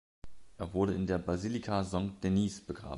Er wurde in der Basilika Saint-Denis begraben.